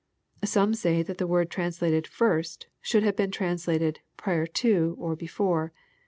Some say that the word translated, " first," should have been translated, " prior to," or " before."